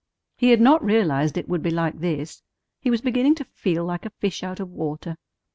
He had not realized it would be like this. He was beginning to feel like a fish out of water.